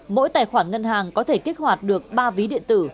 mỗi tài khoản ngân hàng có thể kích hoạt được ba ví điện tử